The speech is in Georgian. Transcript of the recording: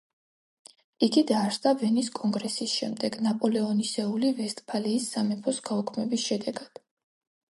იგი დაარსდა ვენის კონგრესის შემდეგ ნაპოლეონისეული ვესტფალიის სამეფოს გაუქმების შედეგად.